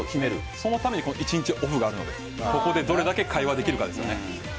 そのために１日オフがあるのでここでどれだけできるかですよね。